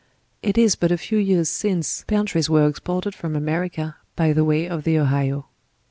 It is but a few years since peltries were exported from America, by way of the Ohio.